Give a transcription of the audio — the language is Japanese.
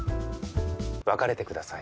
別れてください。